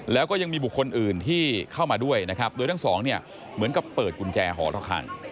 แล้วก็ยังมีบุคคลอื่นที่เข้ามาด้วยนะครับโดยทั้งสองเนี่ยเหมือนกับเปิดกุญแจหอระคัง